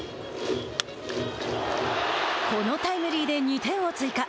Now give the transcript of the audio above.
このタイムリーで２点を追加。